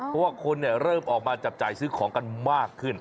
เพราะว่าคนเริ่มออกมาจับจ่ายซื้อของกันมากขึ้น